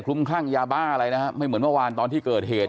คลั่งยาบ้าอะไรนะฮะไม่เหมือนเมื่อวานตอนที่เกิดเหตุ